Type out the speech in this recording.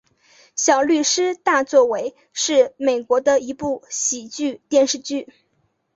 小律师大作为是美国的一部喜剧电视剧。